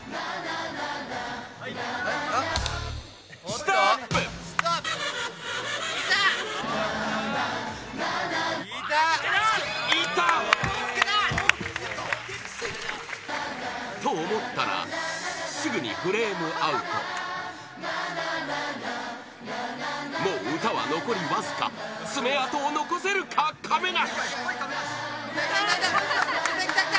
ストップ！と、思ったらすぐにフレームアウトもう歌は残りわずか爪痕を残せるか、亀梨！